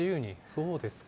そうですか。